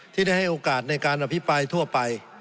ที่ได้ให้โอกาสในการอภิปรายทั่วไป